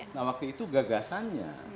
nah waktu itu gagasannya